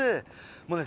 もうね